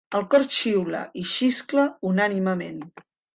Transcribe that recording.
El cor xiula i xiscla unànimement.